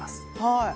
「はい」